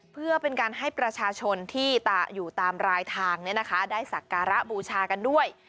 เพื่อเป็นการให้ประชาชนที่อยู่ตามรายทางได้สักการะบูชากันด้วย